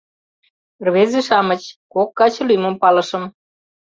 — Рвезе-шамыч, кок каче лӱмым палышым.